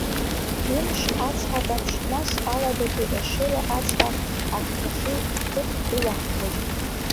Ҩымш Ацҳа ҟаԥшь, нас Аладатәи Ешыра ацҳа ахахьы ҳҭыԥ ылаҳхуеит.